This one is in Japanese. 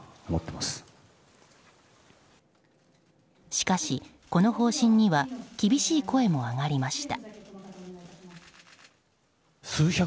しかし、この方針には厳しい声も上がりました。